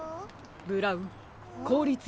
ブラウンこうりつ